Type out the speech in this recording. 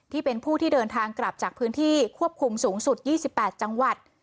ที่เป็นผู้ที่เดินทางกลับจากพื้นที่ควบคุมสูงสุด๒๘จังหวัด